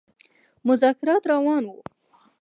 مذاکرات روان وه.